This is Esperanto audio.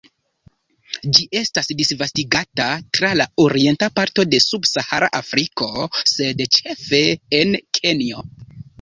Ĝi estas disvastigata tra la orienta parto de subsahara Afriko, sed ĉefe en Kenjo.